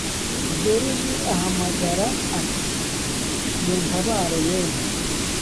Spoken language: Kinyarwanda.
Joriji ahamagara ati:” muntabare yemwe?